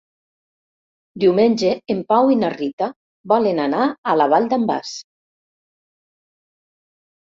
Diumenge en Pau i na Rita volen anar a la Vall d'en Bas.